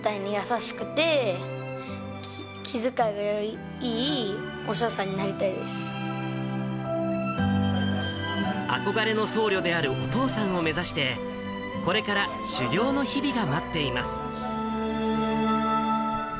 パパみたいに優しくて、気遣いが憧れの僧侶であるお父さんを目指して、これから修行の日々が待っています。